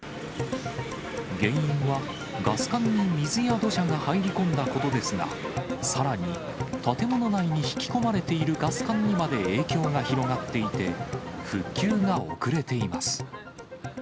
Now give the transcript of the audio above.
原因はガス管に水や土砂が入り込んだことですが、さらに、建物内に引き込まれているガス管にまで影響が広がっていて、復旧が遅れています。